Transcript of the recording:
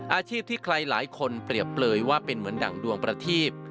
อาชีพที่ใครหลายคนเปรียบเปลยว่าเป็นเหมือนดั่งดวงประทีป